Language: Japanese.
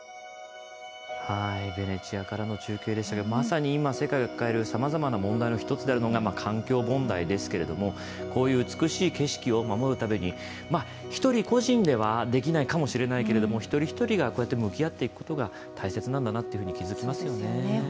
ベネチアからの中継でしたけどもまさに今、世界が抱えるさまざまな問題の一つが環境問題ですけれどもこういう美しい景色を守るために１人個人ではできないかもしれないけれど一人一人が向き合っていくことが大切なんだなと気付きますよね。